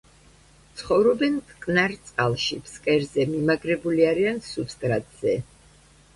ცხოვრობენ მტკნარ წყალში, ფსკერზე, მიმაგრებული არიან სუბსტრატზე.